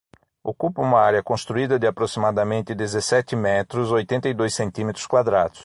Ocupa uma área construída de aproximadamente dezessete metros, oitenta e dois centímetros quadrados.